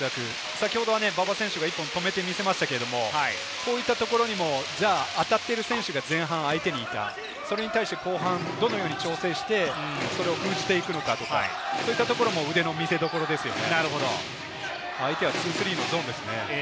先ほどは馬場選手が１本止めてみせましたけれども、こういったところにも当たってる選手が前半、相手に行った、それに対して後半どのように調整して、それを封じていくのかとか、そういったところも腕の見せ所ですよね。